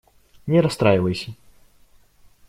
Не расстраивайся.